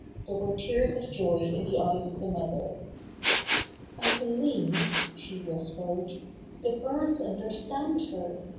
There were tears of joy in the eyes of the mother. "I believe," she whispered, "the birds understand her.